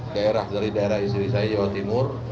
daerah dari daerah istri saya jawa timur